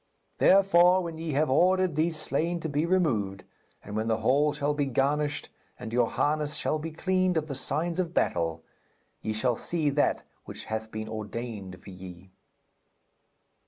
Therefore, when ye have ordered these slain to be removed, and when the hall shall be garnished and your harness shall be cleaned of the signs of battle, ye shall see that which hath been ordained for ye.'